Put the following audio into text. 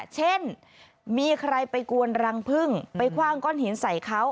เช่นมีใครไปกวนรังพึ่งไปคว่างก้อนหินใส่เขา